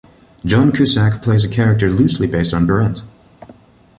John Cusack plays a character loosely based on Berendt.